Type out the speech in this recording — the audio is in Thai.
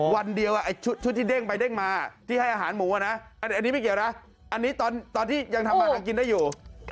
วันเดียวชุดที่เด้งไปเด้งมาที่ให้อาหารหมูอ่ะนะอันนี้ไม่เกี่ยวนะอันนี้ตอนที่ยังทำมาหากินได้อยู่